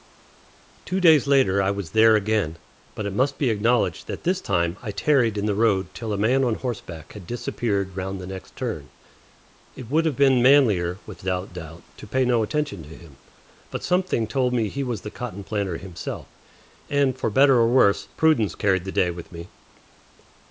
Two days later I was there again, but it must be acknowledged that this time I tarried in the road till a man on horseback had disappeared round the next turn. It would have been manlier, without doubt, to pay no attention to him; but something told me that he was the cotton planter himself, and, for better or worse, prudence carried the day with me.